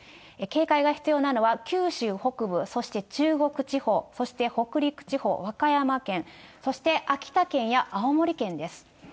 警戒が必要なのは、九州北部、そして中国地方、そして北陸地方、和歌山県、そして秋田県や青森県です。